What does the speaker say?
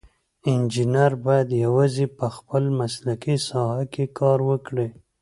انجینر باید یوازې په خپله مسلکي ساحه کې کار وکړي.